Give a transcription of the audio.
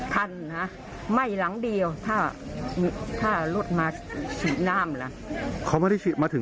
ทันนะไม่หลังเดียวถ้ารถมาฉีดน้ำละ